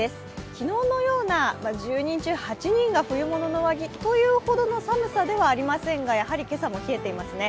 昨日のような１０人中８人が冬物の上着という寒さではないですがやはり今朝も冷えていますね。